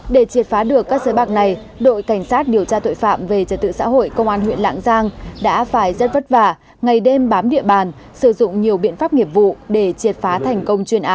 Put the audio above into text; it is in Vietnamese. để triệt phá được các giới bạc này đội cảnh sát điều tra tội phạm về trật tự xã hội công an huyện lạng giang đã phải rất vất vả ngày đêm bám địa bàn sử dụng nhiều biện pháp nghiệp vụ để triệt phá thành công chuyên án